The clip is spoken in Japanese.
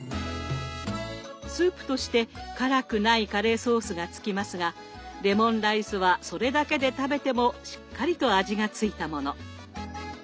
スープとして辛くないカレーソースがつきますがレモンライスはそれだけで食べてもしっかりと味がついたもの。